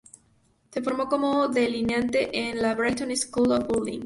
Se formó como delineante en la "Brixton School of Building".